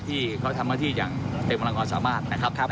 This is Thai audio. ที่เขาทำหน้าที่อย่างของเจ็บมลังงอนสามารณนะครับ